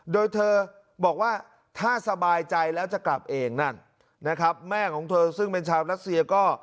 โดยเธอบอกว่าถ้าสบายใจแล้วจะกลับเองนั่นนะครับแม่ของเธอซึ่งเป็นชาวรัสเซียก็